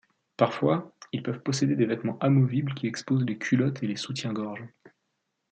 Parfois, ils peuvent posséder des vêtements amovibles qui exposent les culottes et les soutiens-gorge.